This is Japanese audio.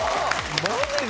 マジで！？